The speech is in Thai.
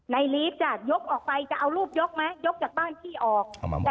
ลีฟจะยกออกไปจะเอารูปยกไหมยกจากบ้านพี่ออก